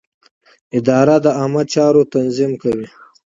اداره د عامه چارو تنظیم کوي.